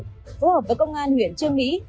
phối hợp với công an huyện trương mỹ